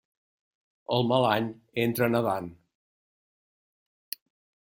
El mal any entra nedant.